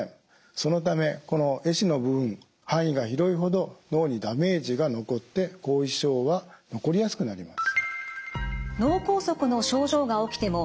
そのためこのえ死の部分範囲が広いほど脳にダメージが残って後遺症は残りやすくなります。